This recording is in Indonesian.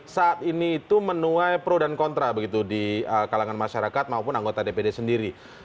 saat ini itu menuai pro dan kontra begitu di kalangan masyarakat maupun anggota dpd sendiri